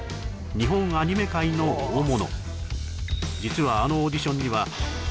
日本アニメ界の大物